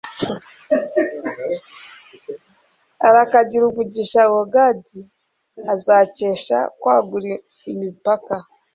arakagira umugisha uwo gadi azakesha kwagura imipaka